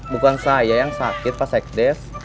bukan saya yang sakit pak sekdes